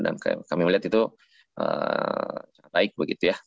dan kami melihat itu baik begitu ya